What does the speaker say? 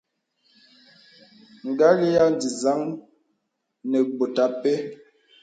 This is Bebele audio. Gə̀l ya dìsaŋ nə bòt a pɛ.